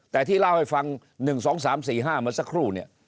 แต่ที่เล่าให้ฟัง๑๒๓๔๕เมื่อสักครู่เนี่ย